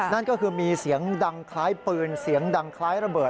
นั่นก็คือมีเสียงดังคล้ายปืนเสียงดังคล้ายระเบิด